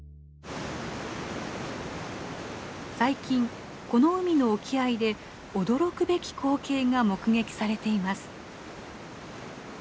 最近この海の沖合で驚くべき光景が目撃されています。